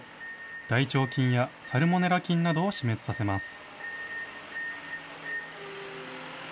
大腸菌やサルモネラ菌などを死滅させます。